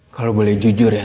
kalo boleh jujur ya sa